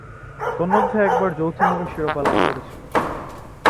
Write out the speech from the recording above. তন্মধ্যে একবার যৌথভাবে শিরোপা লাভ করেছিল।